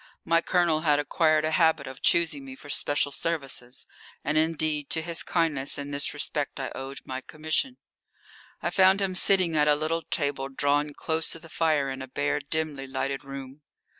My Colonel had acquired a habit of choosing me for special services, and indeed to his kindness in this respect I owed my commission. I found him sitting at a little table drawn close to the fire in a bare, dimly lighted room.